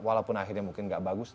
walaupun akhirnya mungkin nggak bagus